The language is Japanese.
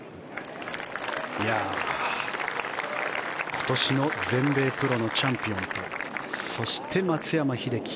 今年の全米プロのチャンピオンとそして、松山英樹。